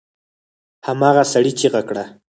هماغه سړي چيغه کړه!